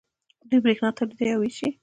دوی بریښنا تولیدوي او ویشي.